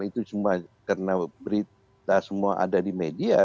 itu cuma karena berita semua ada di media